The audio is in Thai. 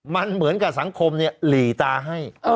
มันเหมือนกับสังคมหลีตาให้